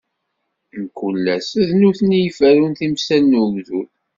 Mkul ass, d nutni i yeferrun timsal n ugdud.